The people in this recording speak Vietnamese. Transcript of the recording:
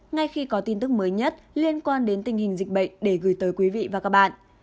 ngay khi có tin tức mới nhất liên quan đến tình hình dịch bệnh để gửi tới quý vị và các bạn